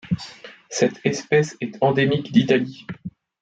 Cette espèce est endémique d'Italie.